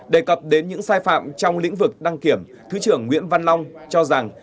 đề cập đến những sai phạm trong lĩnh vực đăng kiểm thứ trưởng nguyễn văn long cho rằng